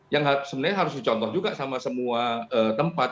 yang sebenarnya harus dicontoh juga sama semua tempat